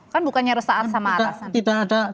kan bukannya resah sama atasan